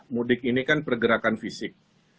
mudik ini kan pergerakan fisik